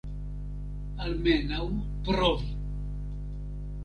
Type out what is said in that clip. Almenaŭ provi.